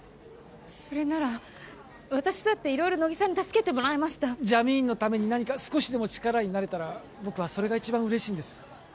それなら私だって色々乃木さんに助けてもらいましたジャミーンのために何か少しでも力になれたら僕はそれが一番嬉しいんです